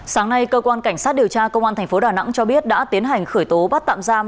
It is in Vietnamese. sáng nay cơ quan cảnh sát điều tra công an tp đà nẵng cho biết đã tiến hành khởi tố bắt tạm giam